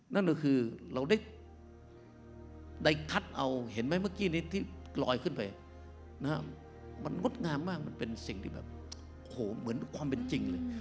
นั่นก็คือเราได้คัดเอาเห็นไหมเมื่อกี้นี้ที่ลอยขึ้นไปมันงดงามมากมันเป็นสิ่งที่แบบโอ้โหเหมือนความเป็นจริงเลย